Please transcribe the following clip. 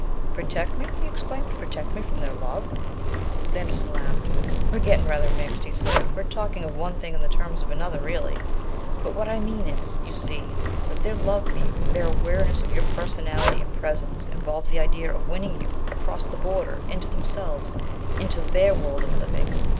"Protect me!" he exclaimed. "Protect me from their love?" Sanderson laughed. "We're getting rather mixed," he said; "we're talking of one thing in the terms of another really. But what I mean is you see that their love for you, their 'awareness' of your personality and presence involves the idea of winning you across the border into themselves into their world of living.